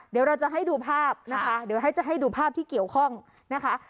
เดี๋ยวเราจะให้ดูภาพที่เกี่ยวข้องนะคะ